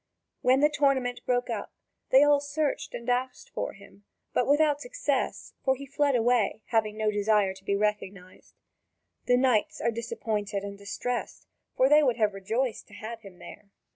When the tournament broke up, they all searched and asked for him, but without success, for he fled away, having no desire to be recognised. The knights are disappointed and distressed, for they would have rejoiced to have him there.